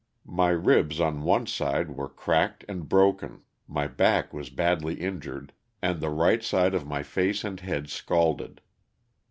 My ribs on one side were cracked and broken. 280 LOSS OF THE SULTAl^A. my back was badly iDJured, and the right side of my face and head scalded.